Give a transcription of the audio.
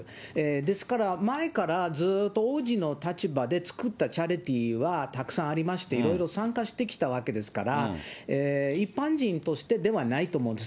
ですから前からずっと王子の立場で作ったチャリティーはたくさんありまして、いろいろ参加してきたわけですから、一般人としてではないと思うんです。